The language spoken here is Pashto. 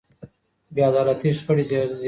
بې عدالتي شخړې زېږوي.